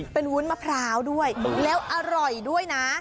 เป็นวุ้นมะพร้าวด้วยแล้วอร่อยด้วยนะ